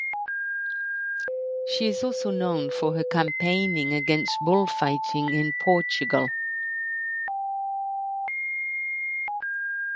She is also known for her campaigning against bullfighting in Portugal.